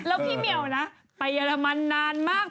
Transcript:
แล้วพี่เหมียวนะไปเยอรมันนานมาก